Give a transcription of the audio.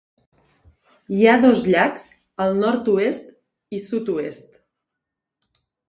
Hi ha dos llacs al nord-oest i sud-oest.